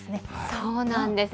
そうなんです。